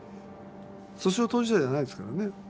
訴訟当事者じゃないですからね。